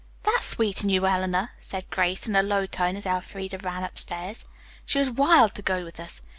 "That's sweet in you, Eleanor," said Grace in a low tone as Elfreda ran upstairs. "She was wild to go with us.